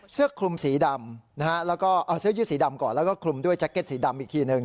เสื้อยืดสีดำก่อนแล้วก็คลุมด้วยแจ็คเก็ตสีดำอีกทีหนึ่ง